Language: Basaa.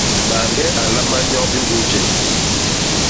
Mañge a nlamal nyo mbus je.